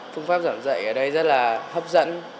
phương pháp giảng dạy ở đây rất là hấp dẫn